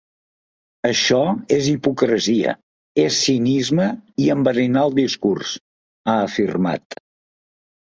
Això és hipocresia, és cinisme i enverinar el discurs, ha afirmat.